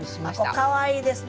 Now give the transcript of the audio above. かわいいですね